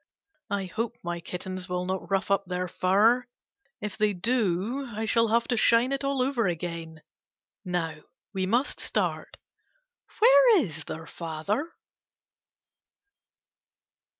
I hope my kittens will not rough up their fur. If they do I shall have to shine it all over again. Now we must start. Where is their father